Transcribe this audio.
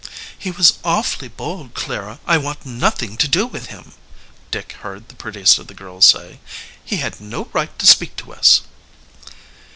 "He was awfully bold, Clara; I want nothing to do with him," Dick heard the prettiest of the girls say. "He had no right to speak to us."